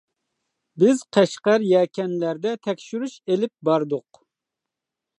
بىز قەشقەر، يەكەنلەردە تەكشۈرۈش ئېلىپ باردۇق.